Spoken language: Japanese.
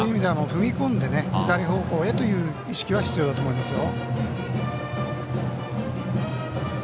踏み込んで左方向へという意識は必要だと思いますよ。